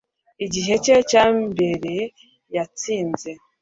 Igihe cye cyambere yatsinze